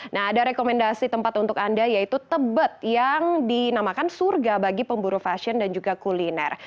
nah ada rekomendasi tempat untuk anda yaitu tebet yang dinamakan surga bagi pemburu fashion dan juga kuliner